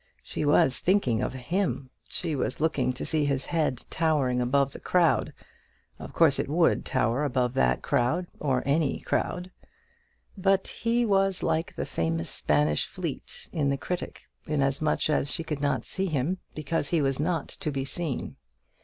She was thinking of him; she was looking to see his head towering above the crowd. Of course it would tower above that crowd, or any crowd; but he was like the famous Spanish fleet in the "Critic," inasmuch as she could not see him because he was not to be seen.